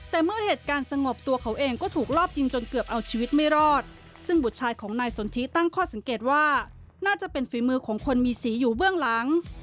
แต่เมื่อเหตุการณ์สงบตัวเขาเองก็ถูกรอบยิงจนเกือบเอาชีวิตไม่รอดซึ่งบุตรชายของนายสนทิตั้งข้อสังเกตว่าน่าจะเป็นฝีมือของคนมีสีอยู่เบื้องหลัง